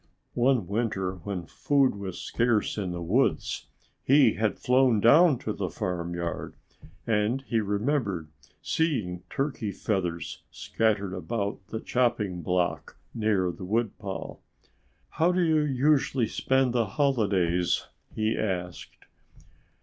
One winter when food was scarce in the woods he had flown down to the farmyard. And he remembered seeing turkey feathers scattered about the chopping block near the woodpile. "How do you usually spend the holidays?" he asked.